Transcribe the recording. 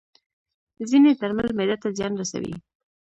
ځینې درمل معده ته زیان رسوي.